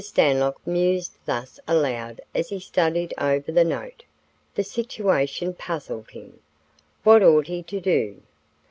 Stanlock mused thus aloud as he studied over the note. The situation puzzled him. What ought he to do?